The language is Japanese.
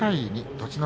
栃ノ